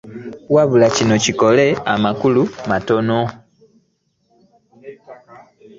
Wabula kino kikola amakulu matono